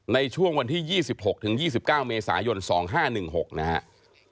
ในช่วงวันที่๒๖๒๙เมษายน๒๕๑๖นะครับ